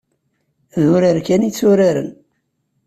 D urar kan i tturaren.